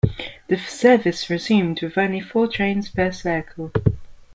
The service resumed with only four trains per circle.